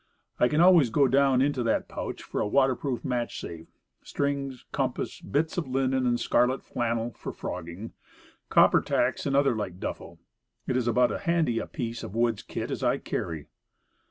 I can always go down into that pouch for a water proof match safe, strings, com pass, bits of linen and scarlet flannel (for frogging), copper tacks, and other light duffle. It is about as handy a piece of woods kit as I carry.